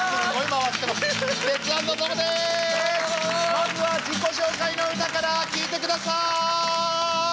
まずは自己紹介の歌から聴いてください！